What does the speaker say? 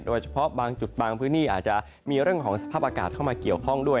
เฉพาะบางจุดบางพื้นที่อาจจะมีเรื่องของสภาพอากาศเข้ามาเกี่ยวข้องด้วย